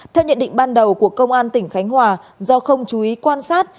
theo nhận định ban đầu của công an tỉnh khánh hòa do không chú ý quan sát